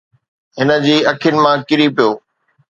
هن جي اکين مان ڪري پيو.